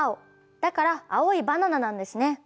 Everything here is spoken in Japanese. だから青いバナナなんですね。